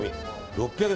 ６００円。